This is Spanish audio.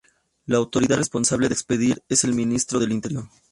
La autoridad responsable de expedir es el Ministerio del Interior.